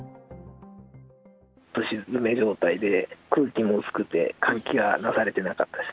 すし詰め状態で、空気も薄くて、換気がなされてなかったです。